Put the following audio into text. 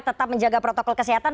tetap menjaga protokol kesehatan